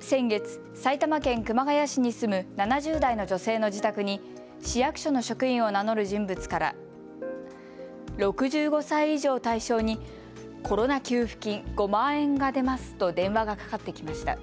先月、埼玉県熊谷市に住む７０代の女性の自宅に市役所の職員を名乗る人物から６５歳以上を対象にコロナ給付金５万円が出ますと電話がかかってきました。